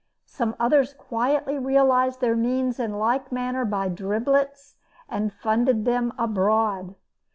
Some others quietly realized their means in like manner by driblets and funded them abroad.